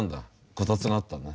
こたつがあったんだ。